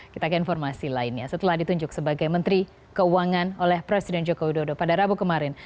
kita ke informasi lainnya setelah ditunjuk sebagai menteri keuangan oleh presiden joko widodo pada rabu kemarin